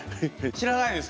知らないです。